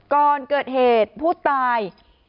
ก่อนเกิดเหตุผู้ตาย